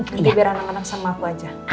ngerti biar anak anak sama aku aja